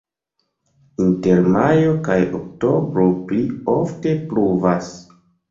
Inter majo kaj oktobro pli ofte pluvas.